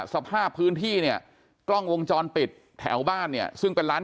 สภาพพื้นที่เนี่ยกล้องวงจรปิดแถวบ้านเนี่ยซึ่งเป็นร้าน